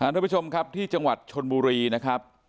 ทุกผู้ชมครับที่จังหวัดชนบุรีนะครับ